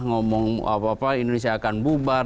ngomong apa apa indonesia akan bubar